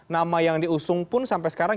nama yang diusung pun sampai sekarang